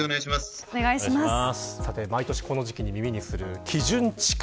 毎年この時期に耳にする基準地価